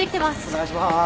お願いします。